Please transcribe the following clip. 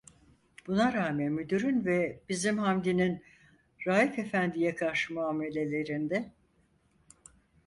Buna rağmen müdürün ve bizim Hamdi'nin Raif efendiye karşı muamelelerinde: